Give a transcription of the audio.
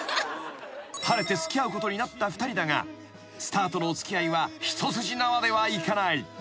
［晴れて付き合うことになった２人だがスターとのお付き合いは一筋縄ではいかない］